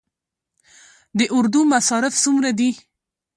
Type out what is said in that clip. د اردو مصارف څومره دي؟